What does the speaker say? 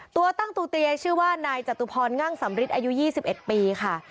ตัวตั้งตัวเตียชื่อว่านายจตุพรงั่งสำริทอายุ๒๑ปีค่ะ